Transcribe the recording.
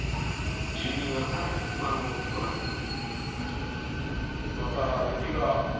住民は更に不安を募らせます。